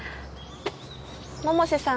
百瀬さん